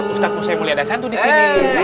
ustadz musa yang mulia dasar tuh di sini